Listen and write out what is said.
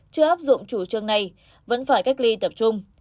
chưa áp dụng chủ trương này vẫn phải cách ly tập trung